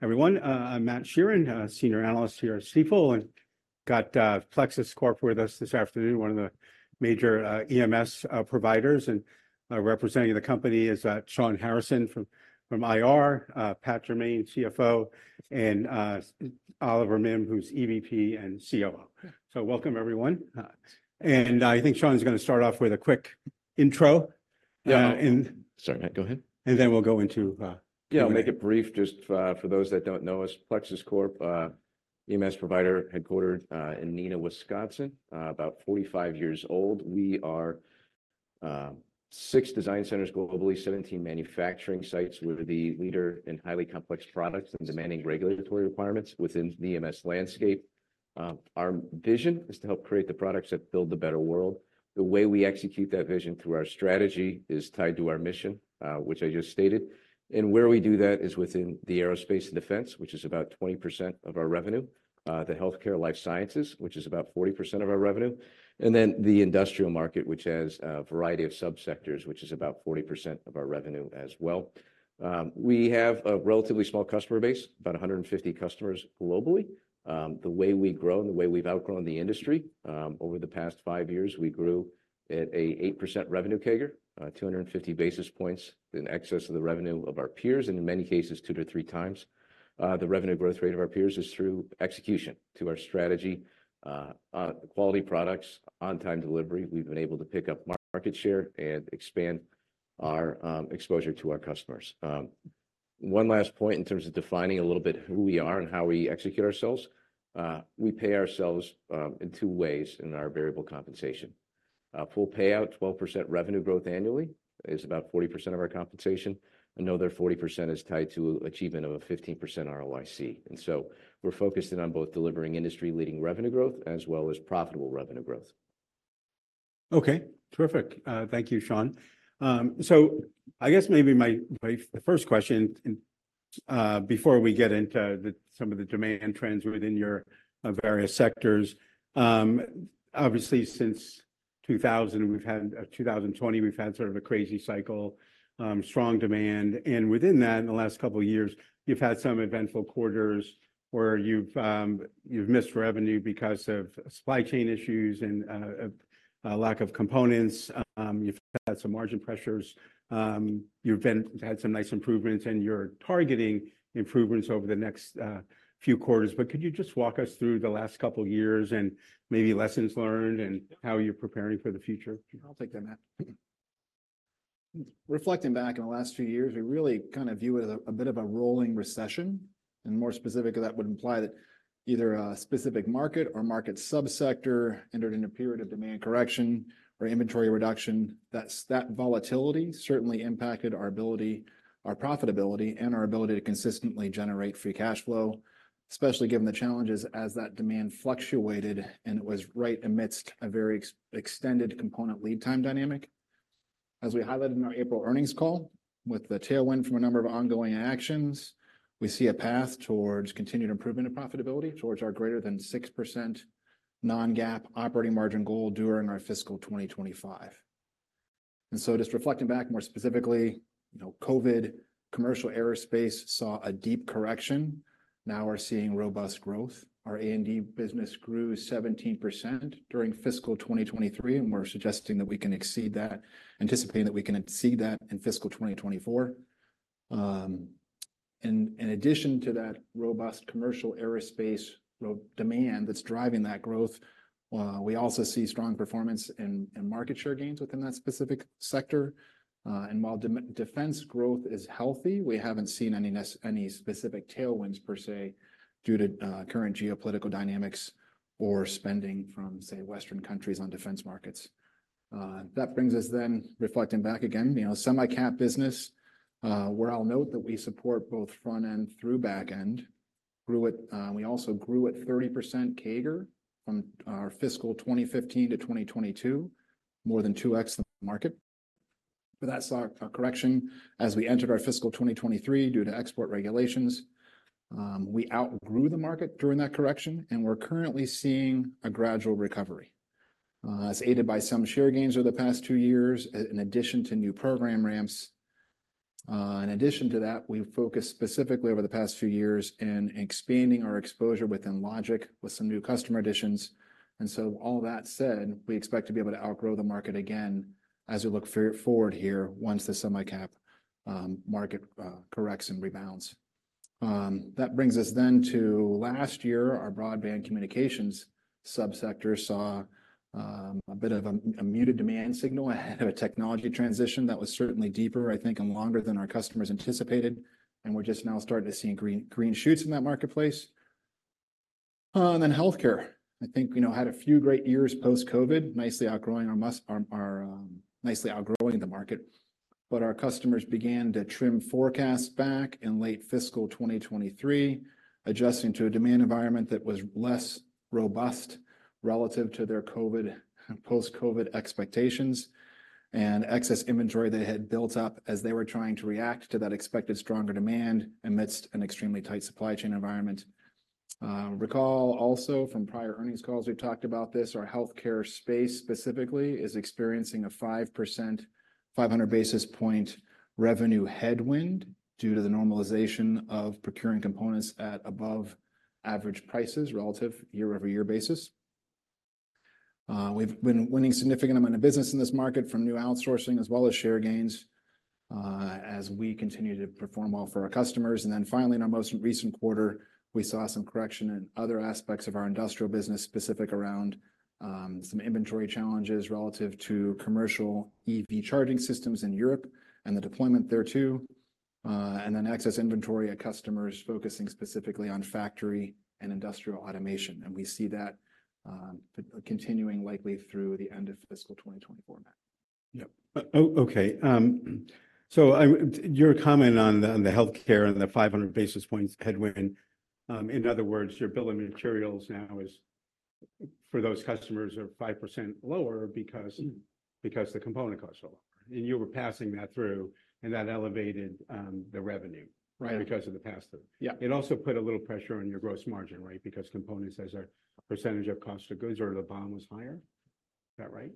Everyone, I'm Matt Sheerin, a senior analyst here at Stifel, and got Plexus Corp with us this afternoon, one of the major EMS providers. And representing the company is Shawn Harrison from IR, Pat Jermain, CFO, and Oliver Mihm, who's EVP and COO. So welcome, everyone. And I think Shawn is gonna start off with a quick intro, and- Sorry, Matt, go ahead. And then we'll go into, Yeah, I'll make it brief. Just for those that don't know us, Plexus Corp, EMS provider, headquartered in Neenah, Wisconsin, about 45 years old. We are six design centers globally, seventeen manufacturing sites. We're the leader in highly complex products and demanding regulatory requirements within the EMS landscape. Our vision is to help create the products that build a better world. The way we execute that vision through our strategy is tied to our mission, which I just stated. Where we do that is within the Aerospace and Defense, which is about 20% of our revenue, the healthcare life sciences, which is about 40% of our revenue, and then the industrial market, which has a variety of subsectors, which is about 40% of our revenue as well. We have a relatively small customer base, about 150 customers globally. The way we grow and the way we've outgrown the industry over the past five years, we grew at an 8% revenue CAGR, 250 basis points in excess of the revenue of our peers, and in many cases, 2-3 times. The revenue growth rate of our peers is through execution to our strategy, quality products, on-time delivery. We've been able to pick up market share and expand our exposure to our customers. One last point in terms of defining a little bit who we are and how we execute ourselves. We pay ourselves in two ways in our variable compensation. Full payout, 12% revenue growth annually is about 40% of our compensation. Another 40% is tied to achievement of a 15% ROIC. And so we're focused in on both delivering industry-leading revenue growth as well as profitable revenue growth. Okay, terrific. Thank you, Shawn. So I guess maybe the first question, before we get into some of the demand trends within your various sectors, obviously, since 2020, we've had sort of a crazy cycle, strong demand. And within that, in the last couple of years, you've had some eventful quarters where you've missed revenue because of supply chain issues and lack of components. You've had some margin pressures, you've had some nice improvements, and you're targeting improvements over the next few quarters. But could you just walk us through the last couple of years and maybe lessons learned and how you're preparing for the future? I'll take that, Matt. Reflecting back on the last few years, we really kind of view it as a bit of a rolling recession, and more specifically, that would imply that either a specific market or market subsector entered in a period of demand correction or inventory reduction. That volatility certainly impacted our ability, our profitability, and our ability to consistently generate free cash flow, especially given the challenges as that demand fluctuated, and it was right amidst a very extended component lead time dynamic. As we highlighted in our April earnings call, with the tailwind from a number of ongoing actions, we see a path towards continued improvement of profitability towards our greater than 6% non-GAAP operating margin goal during our fiscal 2025. And so just reflecting back more specifically, you know, COVID, Commercial Aerospace saw a deep correction. Now we're seeing robust growth. Our A&D business grew 17% during fiscal 2023, and we're suggesting that we can exceed that, anticipating that we can exceed that in fiscal 2024. And in addition to that robust Commercial aerospace demand that's driving that growth, we also see strong performance in market share gains within that specific sector. And while defense growth is healthy, we haven't seen any specific tailwinds per se, due to current geopolitical dynamics or spending from, say, Western countries on defense markets. That brings us then reflecting back again, you know, semi-cap business, where I'll note that we support both front-end through back-end, grew at 30% CAGR from our fiscal 2015 to 2022, more than 2x the market. But that saw a correction as we entered our fiscal 2023 due to export regulations. We outgrew the market during that correction, and we're currently seeing a gradual recovery. It's aided by some share gains over the past two years, in addition to new program ramps. In addition to that, we've focused specifically over the past few years in expanding our exposure within logic with some new customer additions. And so all that said, we expect to be able to outgrow the market again as we look forward here once the semi-cap market corrects and rebounds. That brings us then to last year, our broadband communications subsector saw a bit of a muted demand signal ahead of a technology transition that was certainly deeper, I think, and longer than our customers anticipated, and we're just now starting to see green shoots in that marketplace. And then healthcare, I think, you know, had a few great years post-COVID, nicely outgrowing the market. But our customers began to trim forecasts back in late fiscal 2023, adjusting to a demand environment that was less robust relative to their COVID, post-COVID expectations and excess inventory they had built up as they were trying to react to that expected stronger demand amidst an extremely tight supply chain environment. Recall also from prior earnings calls, we've talked about this, our healthcare space specifically is experiencing a 5%, 500 basis point revenue headwind due to the normalization of procuring components at above average prices relative year-over-year basis. We've been winning significant amount of business in this market from new outsourcing as well as share gains, as we continue to perform well for our customers. And then finally, in our most recent quarter, we saw some correction in other aspects of our industrial business, specific around some inventory challenges relative to commercial EV charging systems in Europe and the deployment thereto, and then excess inventory at customers focusing specifically on factory and industrial automation. And we see that continuing likely through the end of fiscal 2024. Okay. So, your comment on the healthcare and the 500 basis points headwind, in other words, your bill of materials now is, for those customers, are 5% lower because- Mm. -because the component costs are lower, and you were passing that through, and that elevated, the revenue- Right. because of the pass-through. Yeah. It also put a little pressure on your gross margin, right? Because components, as a percentage of cost of goods or the BOM was higher. Is that right?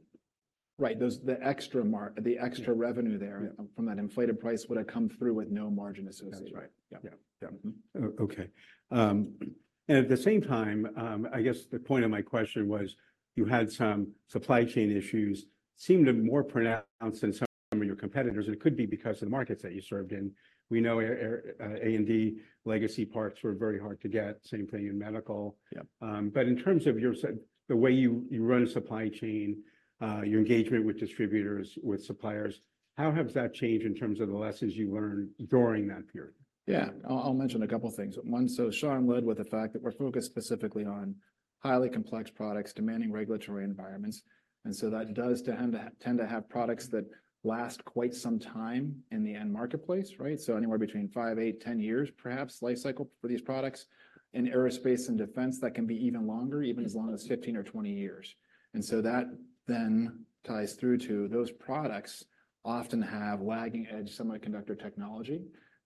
Right. Those, the extra— Yeah -revenue there- Yeah from that inflated price would have come through with no margin associated. That's right. Yeah. Yeah. Yeah. Okay. And at the same time, I guess the point of my question was you had some supply chain issues, seemed to be more pronounced than some of your competitors. It could be because of the markets that you served in. We know, A&D legacy parts were very hard to get. Same thing in medical. Yeah. But in terms of the way you run a supply chain, your engagement with distributors, with suppliers, how has that changed in terms of the lessons you learned during that period? Yeah. I'll, I'll mention a couple of things. One, so Shawn led with the fact that we're focused specifically on highly complex products, demanding regulatory environments, and so that does tend to, tend to have products that last quite some time in the end marketplace, right? So anywhere between 5, 8, 10 years, perhaps, life cycle for these products. In Aerospace and Defense, that can be even longer, even as long as 15 or 20 years. And so that then ties through to those products often have lagging edge semiconductor technology.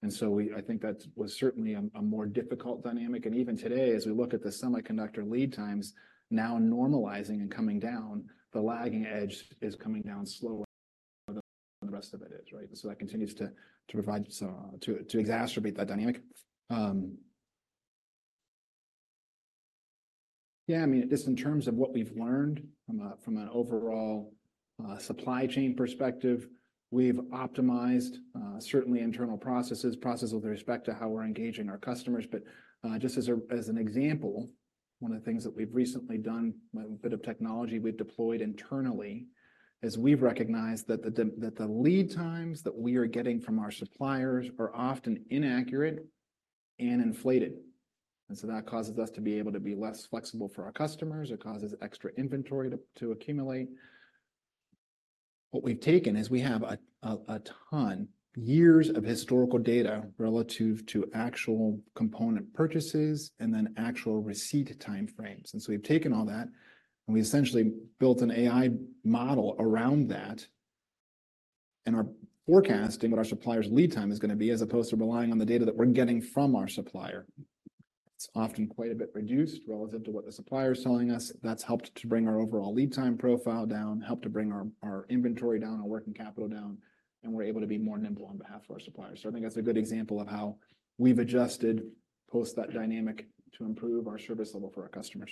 And so we- I think that was certainly a, a more difficult dynamic. And even today, as we look at the semiconductor lead times now normalizing and coming down, the lagging edge is coming down slower than the rest of it is, right? So that continues to, to provide some-- to, to exacerbate that dynamic. Yeah, I mean, just in terms of what we've learned from an overall supply chain perspective, we've optimized certainly internal processes, processes with respect to how we're engaging our customers. But just as an example, one of the things that we've recently done, a bit of technology we've deployed internally, is we've recognized that the lead times that we are getting from our suppliers are often inaccurate and inflated. And so that causes us to be able to be less flexible for our customers. It causes extra inventory to accumulate. What we've taken is we have a ton years of historical data relative to actual component purchases and then actual receipt time frames. And so we've taken all that, and we essentially built an AI model around that. And are forecasting what our supplier's lead time is gonna be, as opposed to relying on the data that we're getting from our supplier. It's often quite a bit reduced relative to what the supplier is telling us. That's helped to bring our overall lead time profile down, helped to bring our inventory down, our working capital down, and we're able to be more nimble on behalf of our suppliers. So I think that's a good example of how we've adjusted post that dynamic to improve our service level for our customers.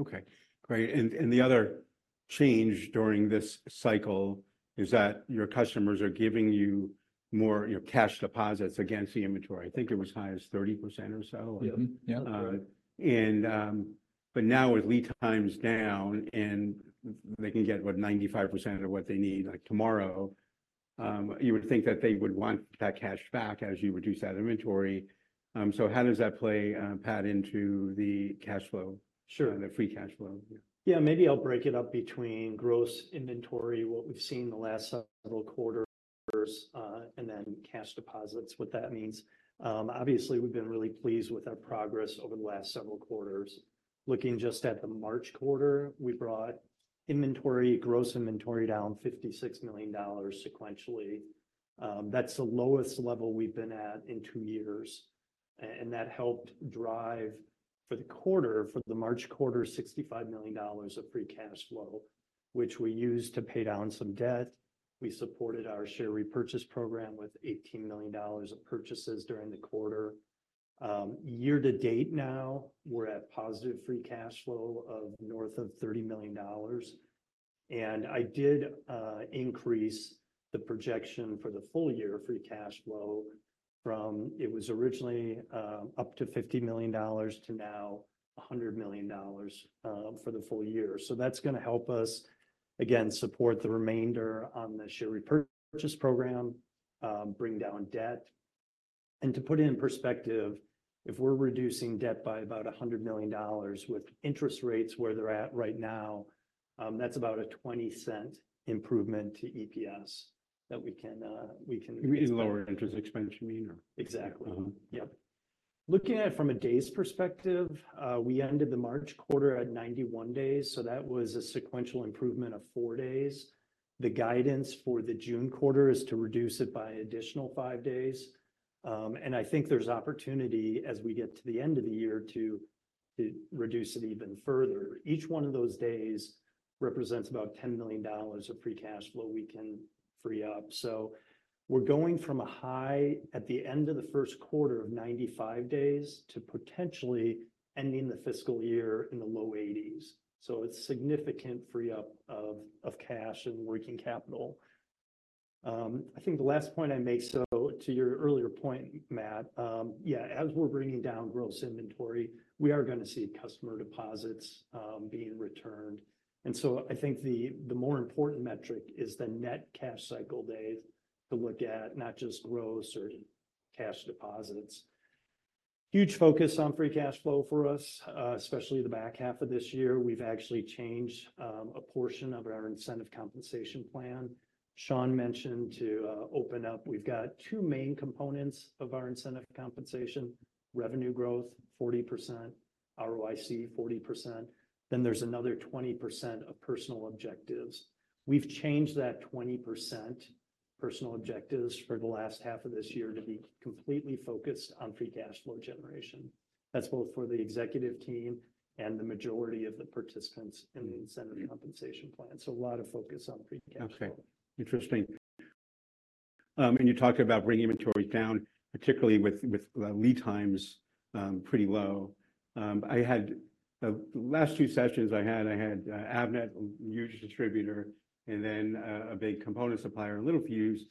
Okay, great. And the other change during this cycle is that your customers are giving you more, you know, cash deposits against the inventory. I think it was high as 30% or so. Yeah. Yeah. But now, with lead times down and they can get, what, 95% of what they need, like, tomorrow, you would think that they would want that cash back as you reduce that inventory. So how does that play, Pat, into the cash flow? Sure. And the free cash flow? Yeah, maybe I'll break it up between gross inventory, what we've seen in the last several quarters, and then cash deposits, what that means. Obviously, we've been really pleased with our progress over the last several quarters. Looking just at the March quarter, we brought inventory, gross inventory down $56 million sequentially. That's the lowest level we've been at in two years, and that helped drive, for the quarter, for the March quarter, $65 million of free cash flow, which we used to pay down some debt. We supported our share repurchase program with $18 million of purchases during the quarter. Year to date now, we're at positive free cash flow of north of $30 million, and I did increase the projection for the full year free cash flow from... It was originally up to $50 million, to now $100 million for the full year. So that's gonna help us, again, support the remainder on the share repurchase program, bring down debt. And to put it in perspective, if we're reducing debt by about $100 million with interest rates where they're at right now, that's about a $0.20 improvement to EPS that we can. In lower interest expense, you mean, or? Exactly. Uh-huh. Yep. Looking at it from a days perspective, we ended the March quarter at 91 days, so that was a sequential improvement of 4 days. The guidance for the June quarter is to reduce it by additional 5 days. And I think there's opportunity as we get to the end of the year to reduce it even further. Each one of those days represents about $10 million of free cash flow we can free up. So we're going from a high at the end of the first quarter of 95 days to potentially ending the fiscal year in the low 80s. So it's significant free up of cash and working capital. I think the last point I make, so to your earlier point, Matt, yeah, as we're bringing down gross inventory, we are gonna see customer deposits being returned. I think the more important metric is the net cash cycle days to look at, not just gross or cash deposits. Huge focus on free cash flow for us, especially the back half of this year. We've actually changed a portion of our incentive compensation plan. Shawn mentioned to open up. We've got two main components of our incentive compensation: revenue growth, 40%; ROIC, 40%, then there's another 20% of personal objectives. We've changed that 20% personal objectives for the last half of this year to be completely focused on free cash flow generation. That's both for the executive team and the majority of the participants in the incentive compensation plan. So a lot of focus on free cash flow. Okay. Interesting. And you talked about bringing inventory down, particularly with lead times pretty low. The last two sessions I had Avnet, a huge distributor, and then a big component supplier, Littelfuse,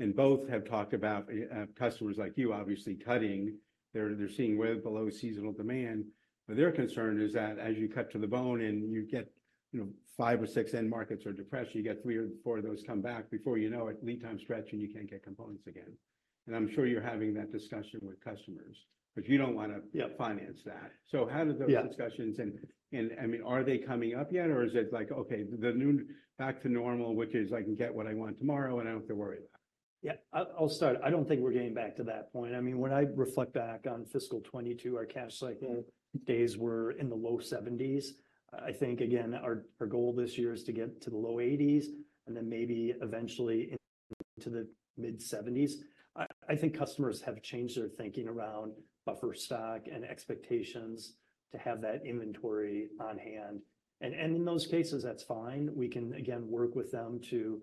and both have talked about customers like you, obviously cutting. They're seeing way below seasonal demand, but their concern is that as you cut to the bone and you get, you know, five or six end markets are depressed, you get three or four of those come back. Before you know it, lead time stretch, and you can't get components again. And I'm sure you're having that discussion with customers, but you don't wanna- Yeah -finance that. So how do those- Yeah discussions, and I mean, are they coming up yet, or is it like, okay, the new back to normal, which is, I can get what I want tomorrow, and I don't have to worry about it? Yeah, I'll start. I don't think we're getting back to that point. I mean, when I reflect back on fiscal 2022, our cash cycle days were in the low 70s. I think, again, our goal this year is to get to the low 80s and then maybe eventually into the mid-70s. I think customers have changed their thinking around buffer stock and expectations to have that inventory on hand, and in those cases, that's fine. We can, again, work with them to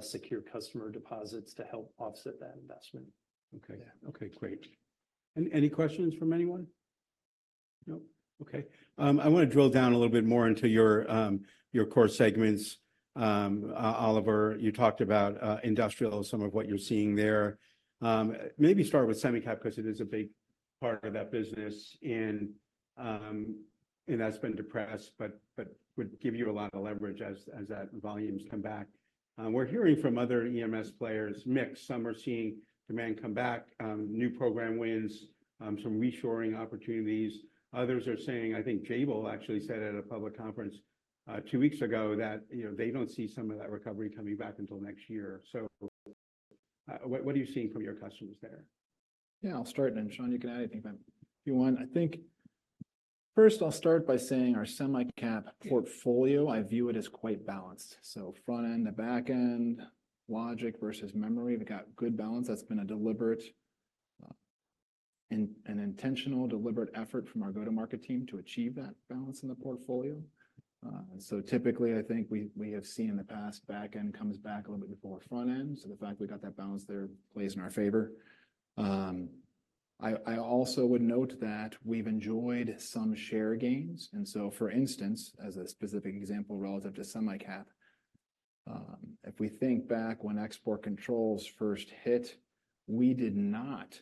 secure customer deposits to help offset that investment. Okay. Yeah. Okay, great. Any questions from anyone? No. Okay. I wanna drill down a little bit more into your core segments. Oliver, you talked about industrial, some of what you're seeing there. Maybe start with semi-cap, 'cause it is a big part of that business, and that's been depressed, but would give you a lot of leverage as that volumes come back. We're hearing from other EMS players, mixed. Some are seeing demand come back, new program wins, some reshoring opportunities. Others are saying, I think Jabil actually said at a public conference, two weeks ago, that, you know, they don't see some of that recovery coming back until next year. What are you seeing from your customers there? Yeah, I'll start, and then, Shawn, you can add anything if you want. I think first, I'll start by saying our semi-cap portfolio, I view it as quite balanced. So front end to back end, logic versus memory, we've got good balance. That's been a deliberate, intentional, deliberate effort from our go-to-market team to achieve that balance in the portfolio. So typically, I think we have seen in the past, back end comes back a little bit before front end, so the fact we got that balance there plays in our favor. I also would note that we've enjoyed some share gains, and so, for instance, as a specific example, relative to semi-cap, if we think back when export controls first hit, we did not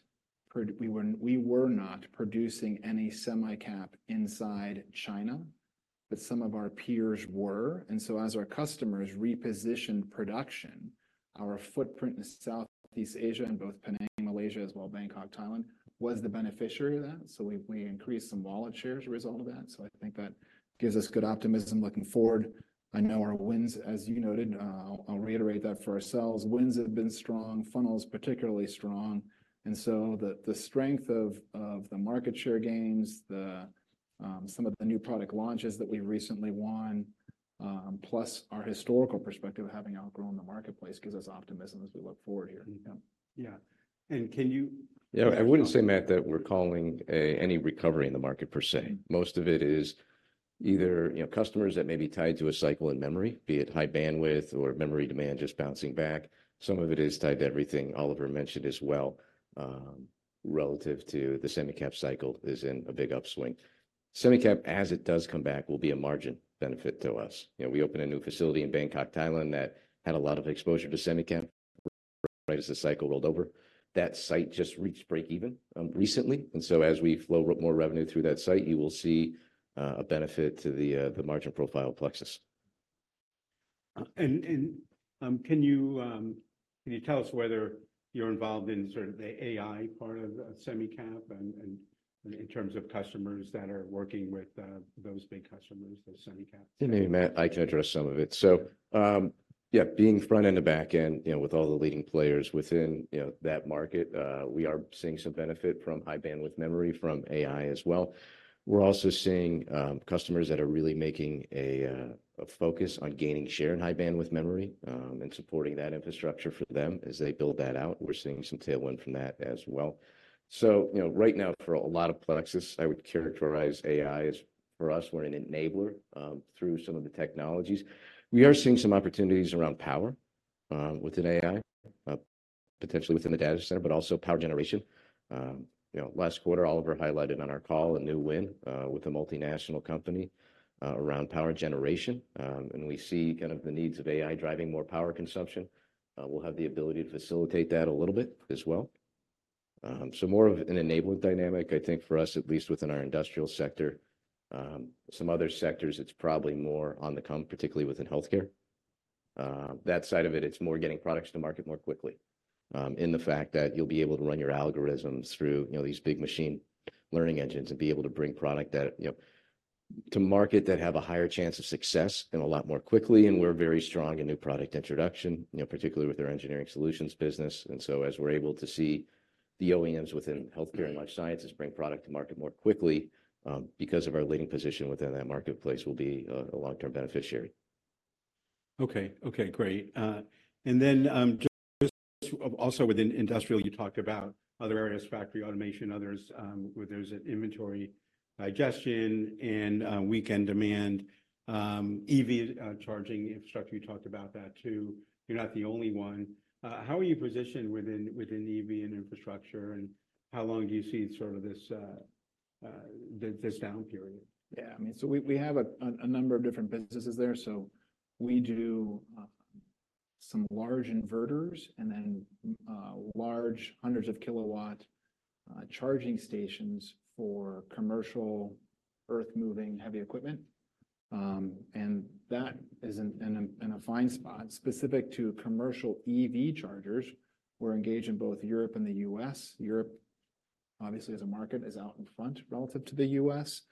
produce—we were not producing any semi-cap inside China, but some of our peers were. And so as our customers repositioned production, our footprint in Southeast Asia, in both Penang, Malaysia, as well as Bangkok, Thailand, was the beneficiary of that. So we increased some wallet shares as a result of that. So I think that gives us good optimism looking forward. I know our wins, as you noted, I'll reiterate that for ourselves. Wins have been strong, funnels particularly strong, and so the strength of the market share gains, the some of the new product launches that we recently won, plus our historical perspective of having outgrown the marketplace, gives us optimism as we look forward here. Mm-hmm. Yeah. And can you- Yeah, I wouldn't say, Matt, that we're calling any recovery in the market per se. Mm. Most of it is either, you know, customers that may be tied to a cycle in memory, be it high bandwidth or memory demand, just bouncing back. Some of it is tied to everything Oliver mentioned as well, relative to the semi-cap cycle is in a big upswing. Semi-cap, as it does come back, will be a margin benefit to us. You know, we opened a new facility in Bangkok, Thailand, that had a lot of exposure to semi-cap, right as the cycle rolled over. That site just reached break even, recently, and so as we flow more revenue through that site, you will see, a benefit to the, the margin profile of Plexus. Can you tell us whether you're involved in sort of the AI part of semi-cap and in terms of customers that are working with those big customers, those semi-cap? Matt, I can address some of it. So, Yeah, being front end to back end, you know, with all the leading players within, you know, that market, we are seeing some benefit from High-Bandwidth Memory from AI as well. We're also seeing, customers that are really making a focus on gaining share in High-Bandwidth Memory, and supporting that infrastructure for them as they build that out. We're seeing some tailwind from that as well. So, you know, right now, for a lot of Plexus, I would characterize AI as, for us, we're an enabler, through some of the technologies. We are seeing some opportunities around power, within AI, potentially within the data center, but also power generation. You know, last quarter, Oliver highlighted on our call a new win, with a multinational company, around power generation. We see kind of the needs of AI driving more power consumption. We'll have the ability to facilitate that a little bit as well. More of an enabling dynamic, I think, for us, at least within our industrial sector. Some other sectors, it's probably more on the come, particularly within healthcare. That side of it, it's more getting products to market more quickly, in the fact that you'll be able to run your algorithms through, you know, these big machine learning engines and be able to bring product that, you know, to market that have a higher chance of success and a lot more quickly. We're very strong in new product introduction, you know, particularly with our engineering solutions business. And so as we're able to see the OEMs within healthcare and life sciences bring product to market more quickly, because of our leading position within that marketplace, we'll be a long-term beneficiary. Okay. Okay, great. And then, just also within industrial, you talked about other areas, factory automation, others, where there's an inventory digestion and, weakened demand, EV, charging infrastructure, you talked about that too. You're not the only one. How are you positioned within, within EV and infrastructure, and how long do you see sort of this, this down period? Yeah, I mean, so we have a number of different businesses there. So we do some large inverters and then large hundreds of kilowatt charging stations for commercial earth-moving heavy equipment. And that is in a fine spot. Specific to commercial EV chargers, we're engaged in both Europe and the US. Europe, obviously, as a market, is out in front relative to the US.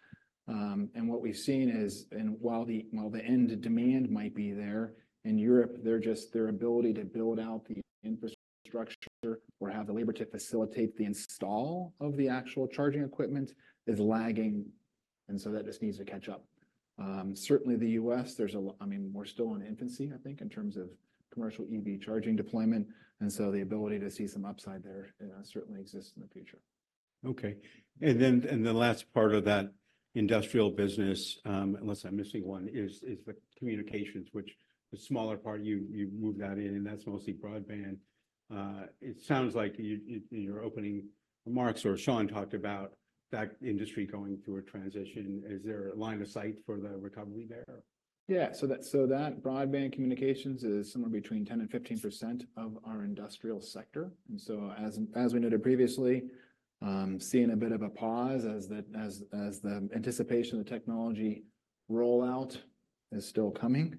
And what we've seen is, and while the end demand might be there in Europe, they're just, their ability to build out the infrastructure or have the labor to facilitate the install of the actual charging equipment is lagging, and so that just needs to catch up. Certainly, the U.S., there's—I mean, we're still in infancy, I think, in terms of commercial EV charging deployment, and so the ability to see some upside there certainly exists in the future. Okay. And then, the last part of that industrial business, unless I'm missing one, is the communications, which is the smaller part. You moved that in, and that's mostly broadband. It sounds like you, in your opening remarks or Shawn talked about that industry going through a transition. Is there a line of sight for the recovery there? Yeah, so that broadband communications is somewhere between 10% and 15% of our industrial sector. And so as we noted previously, seeing a bit of a pause as the anticipation of the technology rollout is still coming.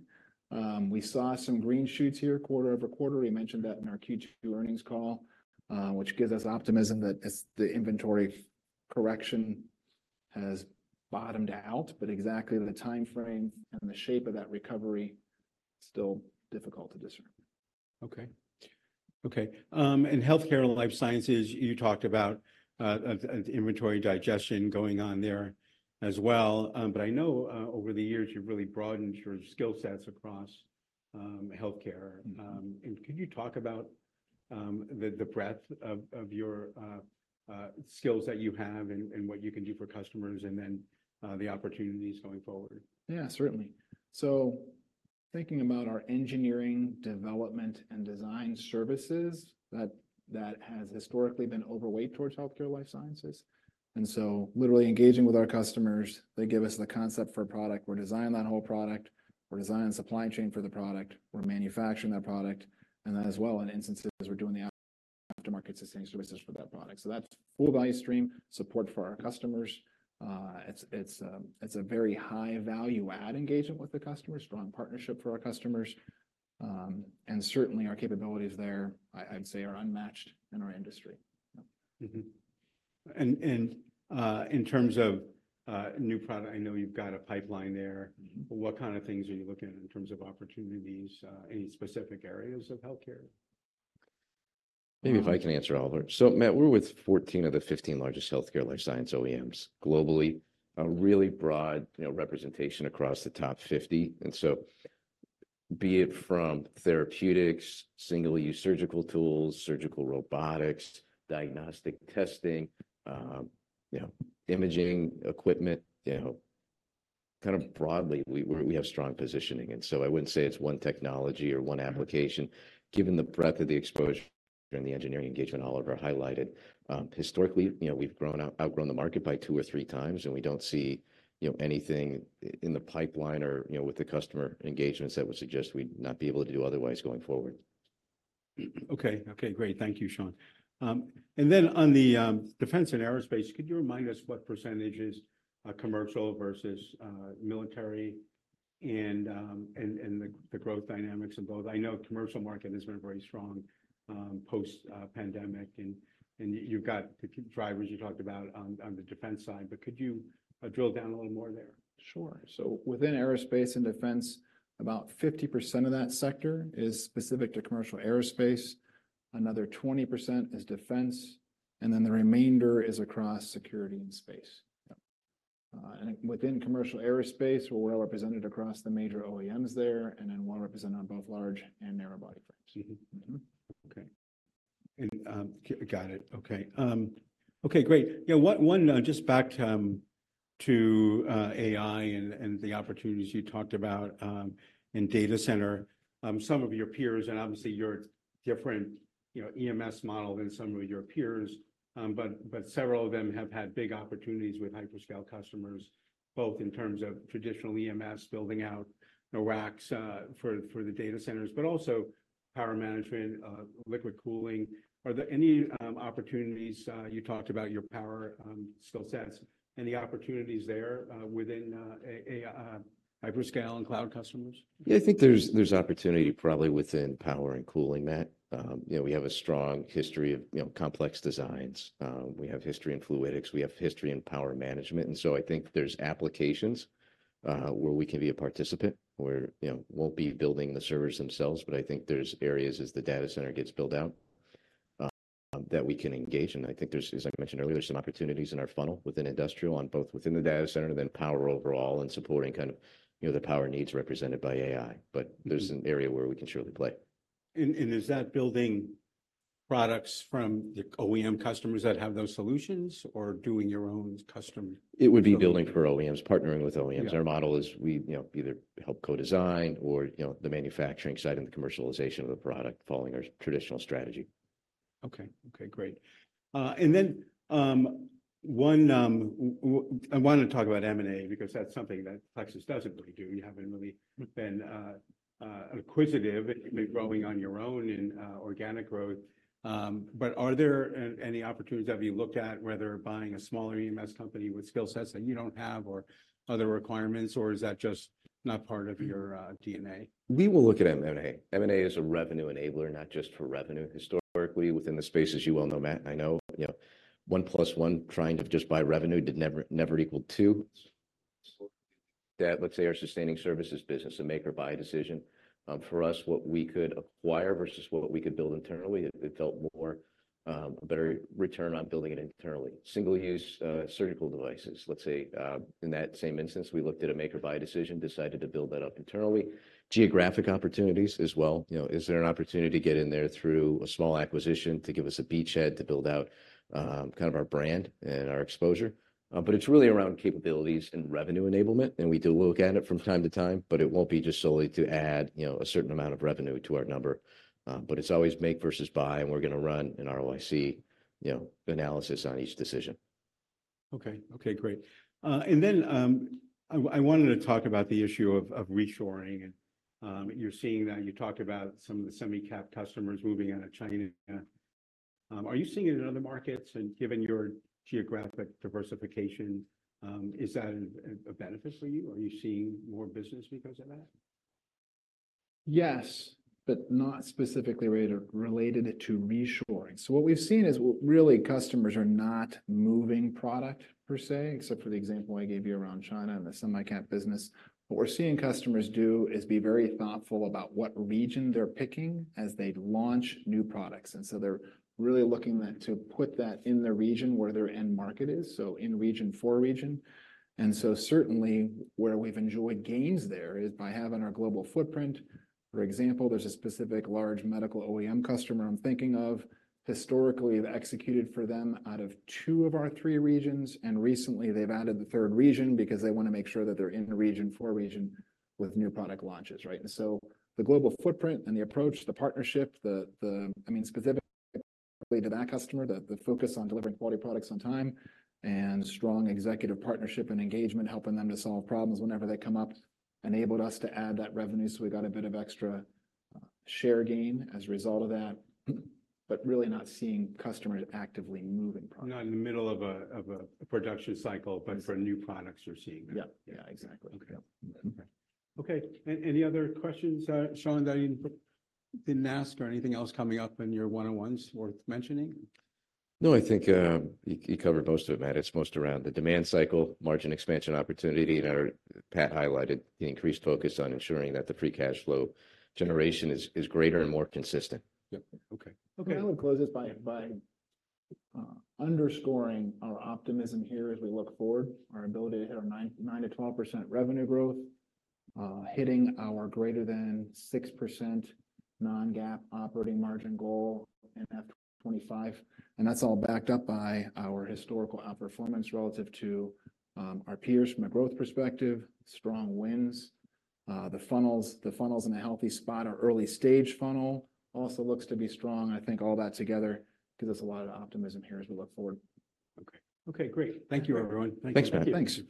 We saw some green shoots here quarter-over-quarter. We mentioned that in our Q2 earnings call, which gives us optimism that it's the inventory correction has bottomed out, but exactly the time frame and the shape of that recovery, still difficult to discern. Okay. Okay, in healthcare and life sciences, you talked about inventory digestion going on there as well. But I know over the years, you've really broadened your skill sets across healthcare. Mm-hmm. Can you talk about the breadth of your skills that you have and what you can do for customers, and then the opportunities going forward? Yeah, certainly. So thinking about our engineering, development, and design services, that has historically been overweight towards healthcare life sciences. And so literally engaging with our customers, they give us the concept for a product. We're designing that whole product. We're designing the supply chain for the product. We're manufacturing that product, and as well, in instances, we're doing the aftermarket sustain services for that product. So that's full value stream support for our customers. It's a very high value add engagement with the customer, strong partnership for our customers. And certainly, our capabilities there, I'd say, are unmatched in our industry. Mm-hmm. And, and, in terms of, new product, I know you've got a pipeline there. Mm-hmm. What kind of things are you looking at in terms of opportunities, any specific areas of healthcare? Maybe if I can answer, Oliver. So Matt, we're with 14 of the 15 largest healthcare life science OEMs globally. A really broad, you know, representation across the top 50. And so be it from therapeutics, single-use surgical tools, surgical robotics, diagnostic testing, you know, imaging equipment, you know, kind of broadly, we have strong positioning. And so I wouldn't say it's one technology or one application. Given the breadth of the exposure and the engineering engagement Oliver highlighted, historically, you know, we've outgrown the market by 2 or 3 times, and we don't see, you know, anything in the pipeline or, you know, with the customer engagements that would suggest we'd not be able to do otherwise going forward. Okay. Okay, great. Thank you, Shawn. And then on the defense and aerospace, could you remind us what percentage is commercial versus military and the growth dynamics of both? I know commercial market has been very strong post pandemic, and you've got the drivers you talked about on the defense side, but could you drill down a little more there? Sure. So within Aerospace and Defense, about 50% of that sector is specific to Commercial Aerospace, another 20% is defense. And then the remainder is across security and space. Yep. And within Commercial Aerospace, we're well represented across the major OEMs there, and then well represented on both large and narrow body frames. Mm-hmm. Mm-hmm. Okay. And, got it. Okay, okay, great. Yeah, just back to AI and the opportunities you talked about in data center. Some of your peers and obviously, your different, you know, EMS model than some of your peers, but several of them have had big opportunities with hyperscale customers, both in terms of traditional EMS, building out the racks for the data centers, but also power management, liquid cooling. Are there any opportunities you talked about your power skill sets, any opportunities there within a hyperscale and cloud customers? Yeah, I think there's opportunity probably within power and cooling, Matt. You know, we have a strong history of, you know, complex designs. We have history in fluidics, we have history in power management, and so I think there's applications where we can be a participant, where, you know, won't be building the servers themselves, but I think there's areas as the data center gets built out that we can engage in. I think there's, as I mentioned earlier, some opportunities in our funnel within industrial, on both within the data center and then power overall, and supporting kind of, you know, the power needs represented by AI. But there's an area where we can surely play. Is that building products from the OEM customers that have those solutions, or doing your own custom? It would be building for OEMs, partnering with OEMs. Yeah. Our model is we, you know, either help co-design or, you know, the manufacturing side and the commercialization of the product, following our traditional strategy. Okay. Okay, great. And then, I wanted to talk about M&A, because that's something that Plexus doesn't really do. You haven't really been acquisitive. You've been growing on your own in organic growth. But are there any opportunities? Have you looked at whether buying a smaller EMS company with skill sets that you don't have or other requirements, or is that just not part of your DNA? We will look at M&A. M&A is a revenue enabler, not just for revenue. Historically, within the space, as you well know, Matt, I know, you know, one plus one trying to just buy revenue did never equal two. That, let's say, our sustaining services business, a make or buy decision. For us, what we could acquire versus what we could build internally, it felt more a better return on building it internally. Single-use surgical devices, let's say, in that same instance, we looked at a make or buy decision, decided to build that up internally. Geographic opportunities as well, you know, is there an opportunity to get in there through a small acquisition to give us a beachhead to build out kind of our brand and our exposure? But it's really around capabilities and revenue enablement, and we do look at it from time to time, but it won't be just solely to add, you know, a certain amount of revenue to our number. But it's always make versus buy, and we're going to run an ROIC, you know, analysis on each decision. Okay. Okay, great. And then I wanted to talk about the issue of reshoring, and you're seeing that. You talked about some of the semi-cap customers moving out of China. Are you seeing it in other markets, and given your geographic diversification, is that a benefit for you? Are you seeing more business because of that? Yes, but not specifically related, related to reshoring. So what we've seen is really, customers are not moving product per se, except for the example I gave you around China and the semi-cap business. What we're seeing customers do is be very thoughtful about what region they're picking as they launch new products, and so they're really looking to put that in the region where their end market is, so in region, for region. And so certainly, where we've enjoyed gains there is by having our global footprint. For example, there's a specific large medical OEM customer I'm thinking of. Historically, we've executed for them out of two of our three regions, and recently they've added the third region because they want to make sure that they're in a region, for region with new product launches, right? So the global footprint and the approach, the partnership, I mean, specifically to that customer, the focus on delivering quality products on time and strong executive partnership and engagement, helping them to solve problems whenever they come up, enabled us to add that revenue, so we got a bit of extra share gain as a result of that, but really not seeing customers actively moving product. Not in the middle of a production cycle- Right. but for new products, you're seeing that. Yeah. Yeah, exactly. Okay. Yeah. Okay. Okay, any other questions, Shawn, that you didn't ask or anything else coming up in your one-on-ones worth mentioning? No, I think you covered most of it, Matt. It's most around the demand cycle, margin expansion opportunity, and our Pat highlighted the increased focus on ensuring that the free cash flow generation is greater and more consistent. Yep. Okay. Okay, I would close this by underscoring our optimism here as we look forward, our ability to hit our 9%-12% revenue growth, hitting our greater than 6% non-GAAP operating margin goal in FY 2025. And that's all backed up by our historical outperformance relative to our peers from a growth perspective, strong wins. The funnel's in a healthy spot. Our early stage funnel also looks to be strong, and I think all that together gives us a lot of optimism here as we look forward. Okay. Okay, great. Thank you, everyone. Thanks, Matt. Thank you. Thanks.